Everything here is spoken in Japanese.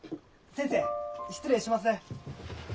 ・先生失礼します。